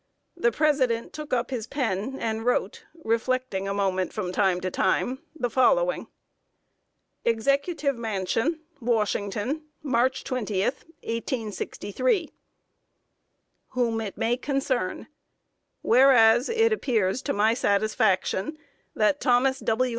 The President took up his pen and wrote, reflecting a moment from time to time, the following: EXECUTIVE MANSION, WASHINGTON, March 20, 1863. Whom it may concern: Whereas, It appears to my satisfaction that Thomas W.